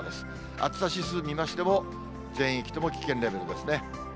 暑さ指数見ましても、全域とも危険レベルですね。